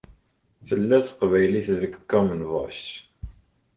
Tella teqbaylit deg Common Voice.